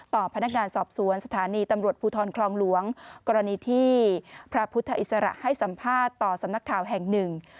พนักงานสอบสวนสถานีตำรวจภูทรคลองหลวงกรณีที่พระพุทธอิสระให้สัมภาษณ์ต่อสำนักข่าวแห่งหนึ่ง